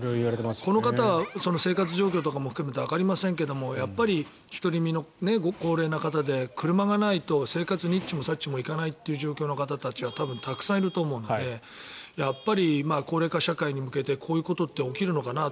この方は生活状況とかも含めてわかりませんけれども一人身のご高齢の方で車がないと生活、にっちもさっちもいかない状況という方たちは多分たくさんいると思うのでやっぱり高齢化社会に向けてこういうことって起きるのかなと。